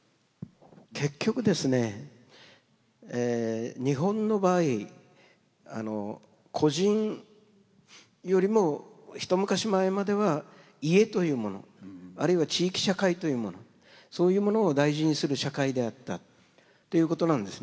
結局ですね日本の場合個人よりも一昔前までは家というものあるいは地域社会というものそういうものを大事にする社会であったということなんですね。